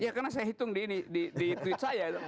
ya karena saya hitung di ini di tweet saya